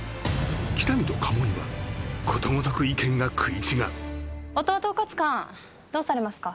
喜多見と鴨居はことごとく意見が食い違う音羽統括官どうされますか？